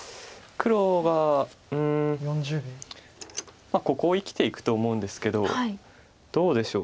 黒がここを生きていくと思うんですけどどうでしょう。